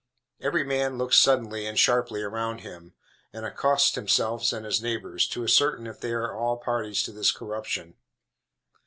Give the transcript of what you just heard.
Every man looks suddenly and sharply around him, and accosts himself and his neighbors, to ascertain if they are all parties to this corruption.